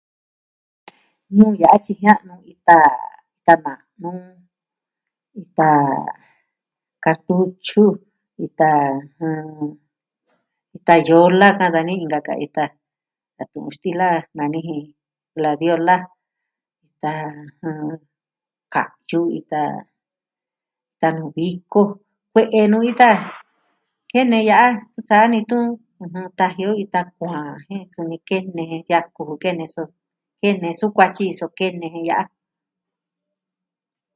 Nuu ya'a tyi jia'nu ita.. ita na'nu, ita kartutyu, ita... ɨjɨn... ita yola, ka'an dani inka ka ita a tu'un stila nani ji gladiola. Ita... ka'yu, ita ita ta'nu viko, kue'e nuu ita kene ya'a, sa'a ni tun, ɨjɨn, taji o ita kuaan jen suni kene, yaku vi kene su, kene sukuatyi suu kene jen ya'a.